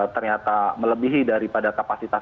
ternyata melebihi daripada kapasitas